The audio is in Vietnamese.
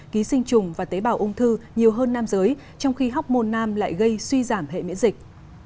ký sinh trùng và tế bào ung thư nhiều hơn nam giới trong khi học mồn nam lại gây suy giảm hệ miễn dịch